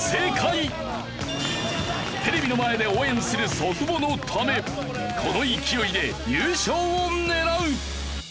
テレビの前で応援する祖父母のためこの勢いで優勝を狙う！